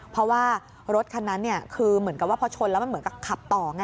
เพราะว่ารถคันนั้นคือเหมือนกับว่าพอชนแล้วมันเหมือนกับขับต่อไง